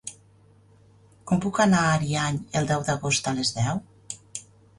Com puc anar a Ariany el deu d'agost a les deu?